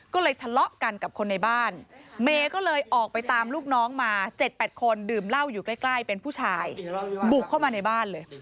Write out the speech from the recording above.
ก็เลยทะเลาะกันกับคนในบ้านเมย์ก็เลยออกไปตามลูกน้องมา๗๘คนดื่มเหล้าอยู่ใกล้เป็นผู้ชายบุกเข้ามาในบ้านเลย